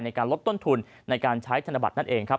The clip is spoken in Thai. ในการลดต้นทุนในการใช้ธนบัตรนั่นเองครับ